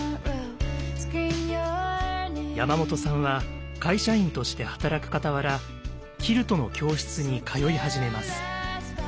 山本さんは会社員として働くかたわらキルトの教室に通い始めます。